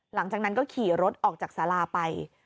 หลังจากนั้นก็ขี่รถออกจากสาราไป